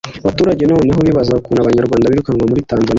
Abaturage na none bibaza ukuntu Abanyarwanda birukanwa muri Tanzania